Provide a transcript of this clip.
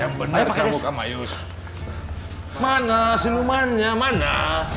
yang benar dan bitaius mana senumannya mana